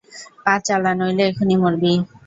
পা চালা নইলে এখনই মরবি!